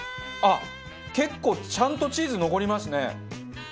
あっ結構ちゃんとチーズ残りますね。